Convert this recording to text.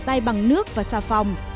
rửa tay bằng nước và xà phòng